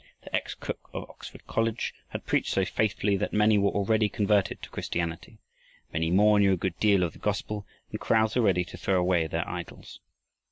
The ex cook of Oxford College had preached so faithfully that many were already converted to Christianity, many more knew a good deal of the gospel, and crowds were ready to throw away their idols.